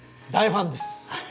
大ファンです。